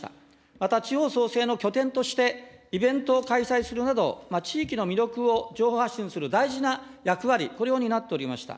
また、地方創生の拠点として、イベントを開催するなど、地域の魅力を情報発信する大事な役割、これを担っておりました。